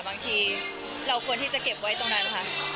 บางทีเราควรที่จะเก็บไว้ตรงนั้นค่ะ